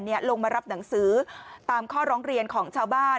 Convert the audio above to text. ลงมารับหนังสือตามข้อร้องเรียนของชาวบ้าน